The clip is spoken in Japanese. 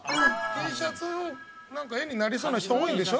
Ｔシャツのなんか絵になりそうな人多いんでしょ。